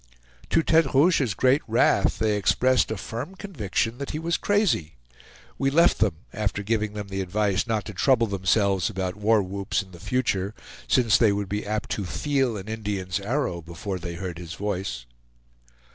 To Tete Rouge's great wrath they expressed a firm conviction that he was crazy. We left them after giving them the advice not to trouble themselves about war whoops in future, since they would be apt to feel an Indian's arrow before they heard his voice.